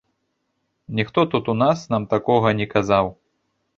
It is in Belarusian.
Ніхто тут у нас нам такога не казаў.